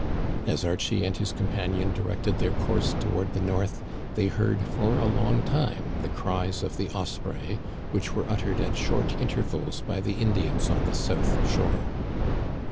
As Archie and his companion directed their course toward the north they heard for a long time the cries of the osprey, which were uttered at short intervals by the Indians on the south shore.